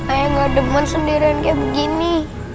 ayah gak demon sendirian kayak begini